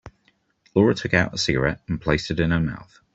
Laura took out a cigarette and placed it in her mouth.